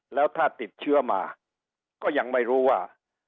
แล้วถ้าติดเชื้อมาก็ยังไม่รู้ว่า